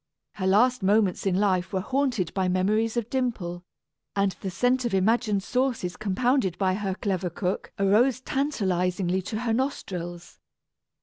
Her last moments in life were haunted by memories of Dimple, and the scent of imagined sauces compounded by her clever cook arose tantalizingly to her nostrils.